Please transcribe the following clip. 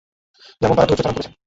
যেমন তাঁরা ধৈর্য ধারণ করেছেন।